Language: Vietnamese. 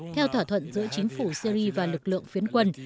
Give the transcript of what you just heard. theo thỏa thuận giữa chính phủ syri và lực lượng phiến quân